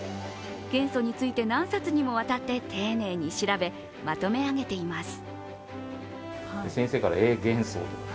元素について何冊にもわたって丁寧に調べ、まとめ上げています。